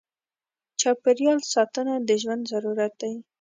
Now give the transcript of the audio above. چاپېریال ساتنه د ژوند ضرورت دی.